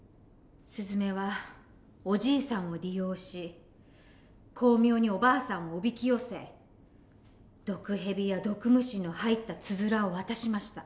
すずめはおじいさんを利用し巧妙におばあさんをおびき寄せ毒蛇や毒虫の入ったつづらを渡しました。